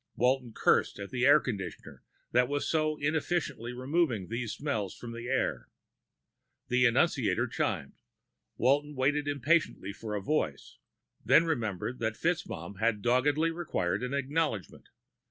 Walton cursed at the air conditioner that was so inefficiently removing these smells from the air. The annunciator chimed. Walton waited impatiently for a voice, then remembered that FitzMaugham had doggedly required an acknowledgment.